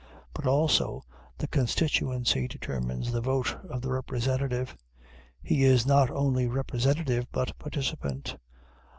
But also the constituency determines the vote of the representative. He is not only representative, but participant.